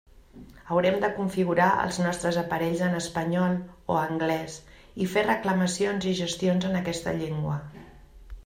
Haurem de configurar els nostres aparells en espanyol o anglès, i fer reclamacions i gestions en aquesta llengua.